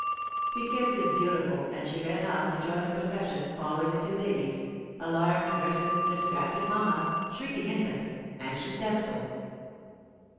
He kissed his beautiful, and she ran off to join the procession following the two babies, alarmed nurses, distracted mammas, shrieking infants, anxious damsels.